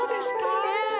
うん。